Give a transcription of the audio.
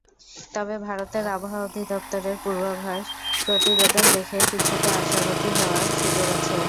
তবে ভারতের আবহাওয়া অধিদপ্তরের পূর্বাভাস প্রতিবেদন দেখে কিছুটা আশাবাদী হওয়ার সুযোগ আছে।